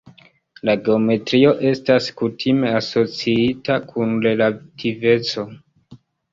La geometrio estas kutime asociita kun relativeco.